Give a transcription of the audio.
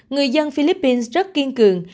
người dân philippines rất kiên cường